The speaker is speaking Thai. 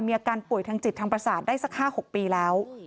มีอาการป่วยทางจิตทางประสาทได้สัก๕๖ปีแล้ว